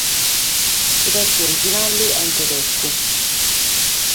Su testu originale est in tedescu.